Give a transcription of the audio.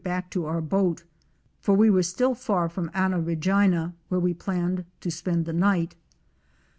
back to our boat, for we were still far from Anna Regina, where we planned to spend the night.